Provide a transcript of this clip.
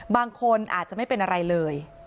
บางคนอาจจะไม่เป็นอะไรเลย